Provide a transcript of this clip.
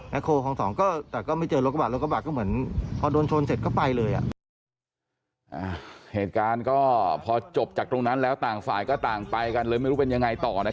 แม็กโคของสองแต่ก็ไม่เจอรถกระบากรถกระบากก็เหมือน